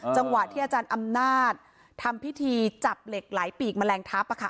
จังหวะที่อาจารย์อำนาจทำพิธีจับเหล็กไหลปีกแมลงทัพ